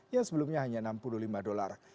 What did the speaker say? yang sebelumnya hanya enam puluh lima dolar